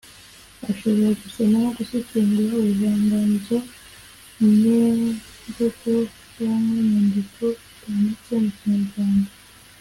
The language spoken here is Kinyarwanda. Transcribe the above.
ashobora gusoma no gusesengura ubuvanganzo nyemvungo cyangwa nyandiko bwanditse mu kinyarwanda;